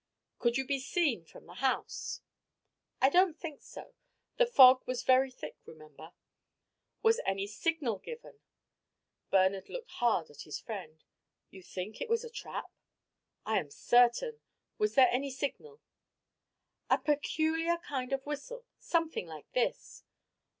"Could you be seen from the house?" "I don't think so, the fog was very thick remember." "Was any signal given?" Bernard looked hard at his friend. "You think it was a trap?" "I am certain. Was there any signal?" "A peculiar kind of whistle. Something like this!"